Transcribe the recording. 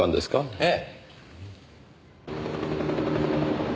ええ。